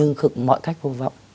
nhưng mọi cách vô vọng